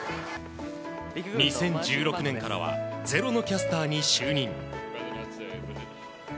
２０１６年からは「ｚｅｒｏ」のキャスターに就任。